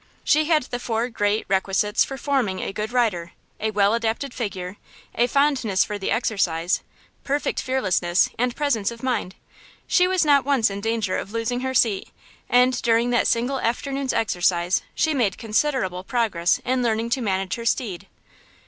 She had the four great requisites for forming a good rider–a well adapted figure, a fondness for the exercise, perfect fearlessness and presence of mind. She was not once in danger of losing her seat, and during that single afternoon's exercise she made considerable progress in learning to manage her steed.